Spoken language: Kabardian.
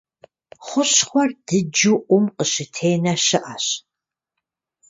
Хущхъуэр дыджу Ӏум къыщытенэ щыӏэщ.